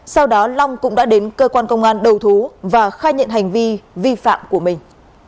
sau đó long cũng đã đến cơ quan công an đầu thú và khai nhận hành vi vi phạm của mình